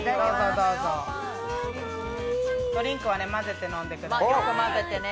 ドリンクは混ぜて飲んでくださいね。